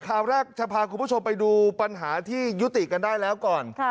ข่าวแรกจะพาคุณผู้ชมไปดูปัญหาที่ยุติกันได้แล้วก่อน